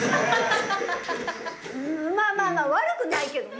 うんまあまあ悪くないけどね。